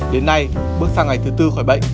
đến nay bước sang ngày thứ tư khỏi bệnh